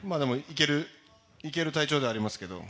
いける体調ではありますけど。